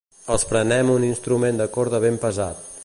Els prenem un instrument de corda ben pesat.